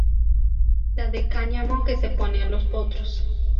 La de cáñamo que se pone a los potros.